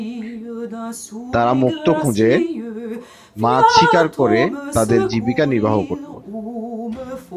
তারা মুক্তো খুঁজে, মাছ শিকার করে তাদের জীবন নির্বাহ করতো।